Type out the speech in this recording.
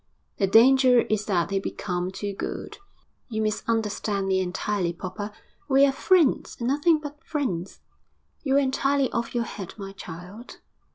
'The danger is that he become too good.' 'You misunderstand me entirely, Popper; we are friends, and nothing but friends.' 'You are entirely off your head, my child.'